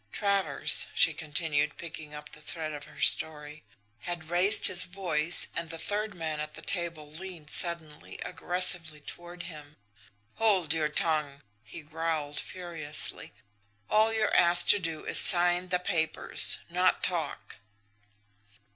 "Travers," she continued, picking up the thread of her story, "had raised his voice, and the third man at the table leaned suddenly, aggressively toward him. "'Hold your tongue!' he growled furiously. 'All you're asked to do is sign the papers not talk!'